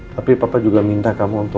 tapi papa juga minta kamu untuk